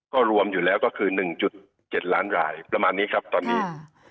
ก็รวมอยู่แล้วก็คือ๑๗ล้านรายประมาณนี้ครับตอนนี้